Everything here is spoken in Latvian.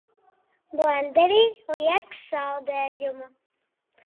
Blenderī liek saldējumu.